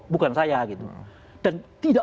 bukan saya dan tidak